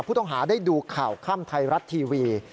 ผู้ต้องหาได้ดูข่าวข้ามไทยรัตน์ทีวี